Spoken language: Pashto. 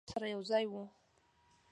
ټول به سره یوځای وو.